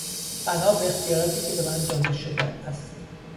بنا به اختیاراتی که به من داده شده است...